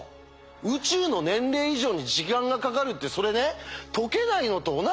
宇宙の年齢以上に時間がかかるってそれね解けないのと同じじゃん！